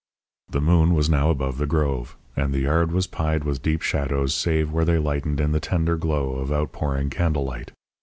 The moon was now above the grove, and the yard was pied with deep shadows save where they lightened in the tender glow of outpouring candle light.